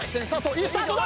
いいスタートだ！